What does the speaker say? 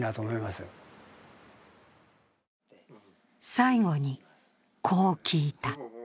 最後に、こう聞いた。